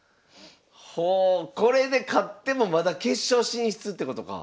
ほうこれで勝ってもまだ決勝進出ってことか。